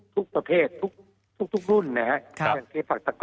ทุกประเภททุกทุกทุกรุ่นนะฮะครับอย่างเคฝักตะก้อ